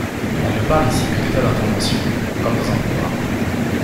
On ne parle ici que d’états d’information, comme dans un programme.